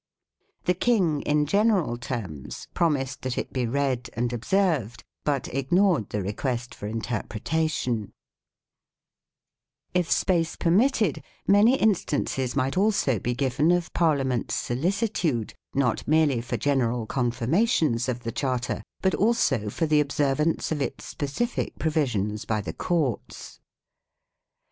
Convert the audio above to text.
The King, in general terms, promised that it be read and observed, but ignored the request for interpretation 1 If space permitted, many instances might also be given of Parliament's solicitude, not merely for general confirmations of the Charter, but also for the observ ance of its specific provisions by the courts.